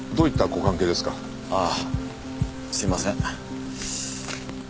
ああすいません。